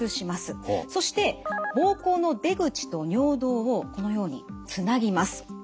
そして膀胱の出口と尿道をこのようにつなぎます。